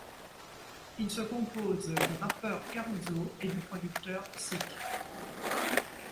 Il se compose du rappeur Karuzo et du producteur Sikk.